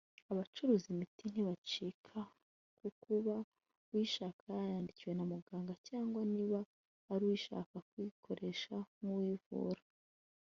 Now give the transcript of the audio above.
abacuruza imiti ntibacyita ku kuba uyishaka yayandikiwe na muganga cyangwa niba ari iyo ashaka kwikoreshereza nk’uwivura